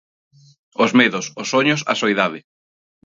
Os medos, os soños, a soidade.